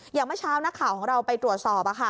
เมื่อเช้านักข่าวของเราไปตรวจสอบ